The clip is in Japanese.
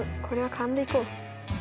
これは勘でいこう。